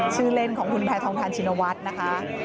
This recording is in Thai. ชื่อเล่นของคุณแพทองทานชินวัฒน์นะคะ